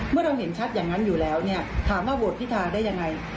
เราเห็นชัดอย่างนั้นอยู่แล้วเนี่ยถามว่าโหวตพิธาได้ยังไง